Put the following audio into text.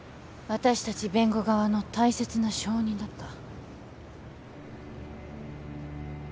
私たち弁護側の大切な証人だった。